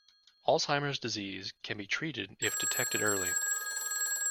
Alzheimer’s disease can be treated if detected early.